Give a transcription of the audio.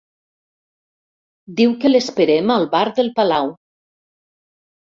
Diu que l'esperem al bar del Palau.